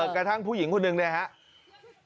กระทั่งผู้หญิงคนหนึ่งเนี่ยครับ